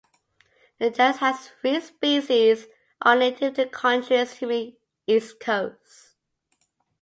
The genus has three species, all native to the country's humid east coast.